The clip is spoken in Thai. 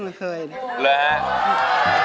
ใจจะขาดแล้วเอ้ย